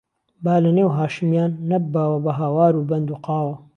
با له نێو هاشمیان نهبباوه به هاوار و بهند و قاوه